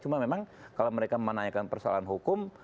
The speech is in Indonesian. cuma memang kalau mereka menanyakan persoalan hukum